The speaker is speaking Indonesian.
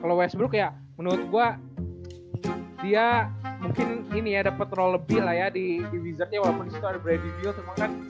kalau westbrook ya menurut gua dia mungkin ini ya dapat role lebih lah ya di wizardsnya walaupun disitu ada brady biel